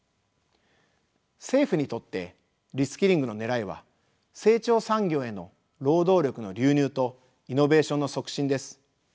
政府にとってリスキングの狙いは成長産業への労働力の流入とイノベーションの促進です。